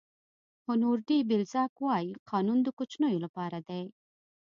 هونور ډي بلزاک وایي قانون د کوچنیو لپاره دی.